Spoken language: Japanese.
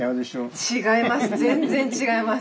違います。